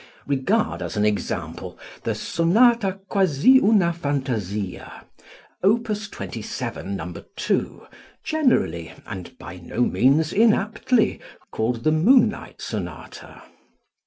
Regard as an example the "Sonata Quasi Una Fantasia," Opus 27, No. 2, generally, and by no means inaptly, called the "Moonlight Sonata."